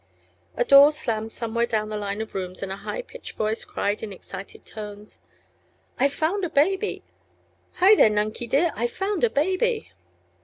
A door slammed somewhere down the line of rooms and a high pitched voice cried in excited tones: "I've found a baby! Hi, there, Nunkie, dear I've found a baby!"